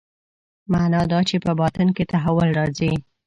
معنا دا چې په باطن کې تحول راځي.